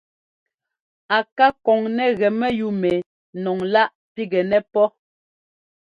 A ká kɔŋ nɛ gɛ mɛyúu mɛ nɔŋláꞌ pigɛnɛ pɔ́.